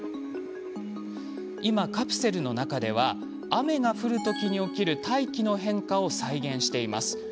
今、カプセルの中では雨が降るときに起きる大気の変化を再現しています。